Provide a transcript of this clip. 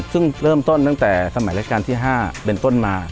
ซึ่งเริ่มต้นตั้งแต่สมัยราชการที่๕เป็นต้นมา